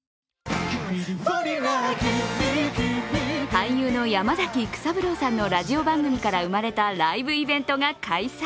俳優の山崎育三郎さんのラジオ番組から生まれたライブイベントが開催。